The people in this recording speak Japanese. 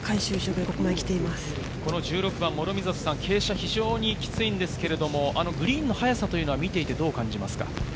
諸見里さん、非常に傾斜がきついんですけど、グリーンの速さは見ていてどう感じますか？